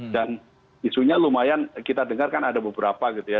dan isunya lumayan kita dengar kan ada beberapa gitu ya